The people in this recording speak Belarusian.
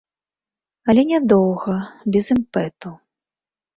Але нядоўга, без імпэту.